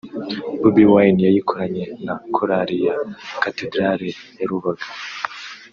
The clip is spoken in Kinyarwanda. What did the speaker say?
Bobi Wine yayikoranye na Korali ya Cathedral ya Rubaga